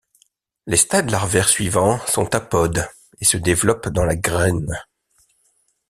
Les stades larvaires suivants sont apodes et se développent dans la graine.